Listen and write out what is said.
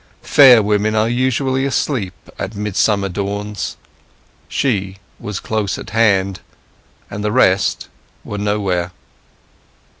Fair women are usually asleep at mid summer dawns. She was close at hand, and the rest were nowhere.